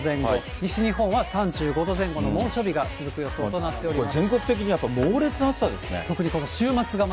西日本は３５度前後の猛暑日が続く予想となっております。